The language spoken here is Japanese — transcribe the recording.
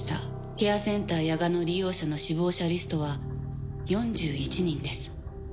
ケアセンターの利用者の死亡者リストは４１人です。